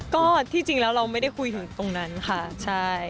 ก็ที่จริงแล้วเราไม่ได้คุยถึงตรงนั้นค่ะใช่